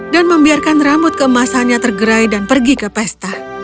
dan membiarkan rambut keemasannya tergerai dan pergi ke pesta